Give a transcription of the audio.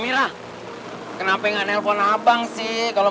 terus sakit bang wahab kan jadi sedih